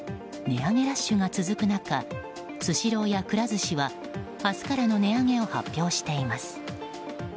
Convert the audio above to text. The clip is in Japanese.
値上げラッシュが続く中スシローやくら寿司は明日からの値上げを発表しています。